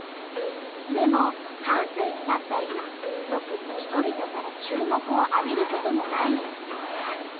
でも半世紀たった今特に人々から注目を浴びることもない様子。